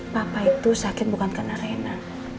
papa itu sakit bukan karena rina